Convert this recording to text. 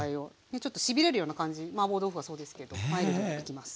ちょっとしびれるような感じマーボー豆腐はそうですけどマイルドにいきます。